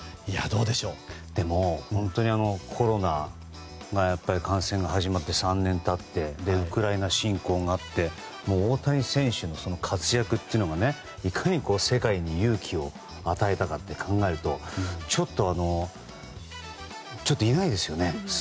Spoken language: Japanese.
でも、本当にコロナの感染が始まって３年経ってウクライナ侵攻があって大谷選手の活躍というのがねいかに世界に勇気を与えたかと考えるとちょっといないですよね。